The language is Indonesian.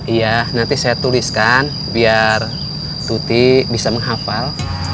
iya nanti saya tuliskan biar tuti bisa menghafal